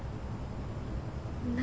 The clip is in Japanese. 何？